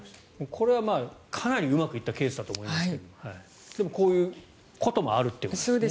これはかなりうまくいったケースだと思いますがこういうこともあるんですね。